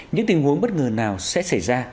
những tình huống bất ngờ nào sẽ xảy ra